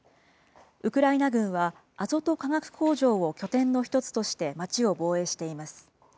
ウクライナ軍はアゾト化学工場を拠点の一つとして、街を防衛しています。